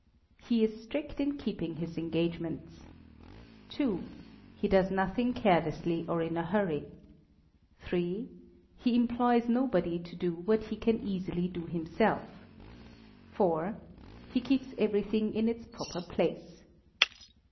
He is strict in keeping his engagements. ii. He does nothing carelessly or in a hurry. iii. He employs nobody to do what he can easily do himself. iv. He keeps everything in its proper place.